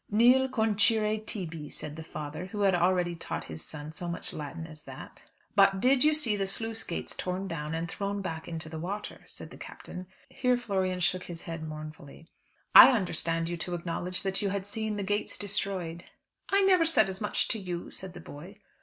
"Nil conscire tibi," said the father, who had already taught his son so much Latin as that. "But you did see the sluice gates torn down, and thrown back into the water?" said the Captain. Here Florian shook his head mournfully. "I understood you to acknowledge that you had seen the gates destroyed." "I never said as much to you," said the boy.